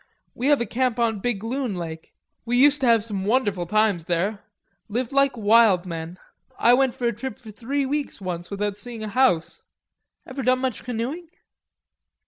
We have a camp on Big Loon Lake. We used to have some wonderful times there... lived like wild men. I went for a trip for three weeks once without seeing a house. Ever done much canoeing?"